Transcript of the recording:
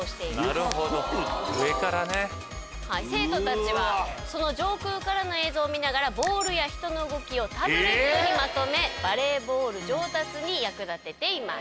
生徒たちは上空からの映像を見ながらボールや人の動きをタブレットにまとめバレーボール上達に役立てています。